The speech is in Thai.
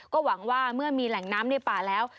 ก็หวังว่าเมื่อมีแหล่งน้ำในป่าแล้ว